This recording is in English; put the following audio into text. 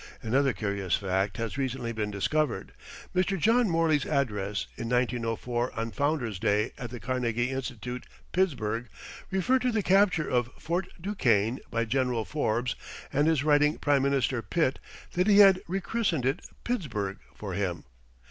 Another curious fact has recently been discovered. Mr. John Morley's address, in 1904 on Founder's Day at the Carnegie Institute, Pittsburgh, referred to the capture of Fort Duquesne by General Forbes and his writing Prime Minister Pitt that he had rechristened it "Pittsburgh" for him.